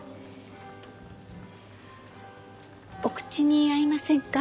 お口に合いませんか？